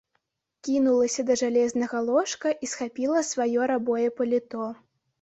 Кінулася да жалезнага ложка і схапіла сваё рабое паліто.